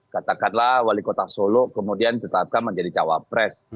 katakanlah wali kota solo kemudian tetapkan menjadi cawapres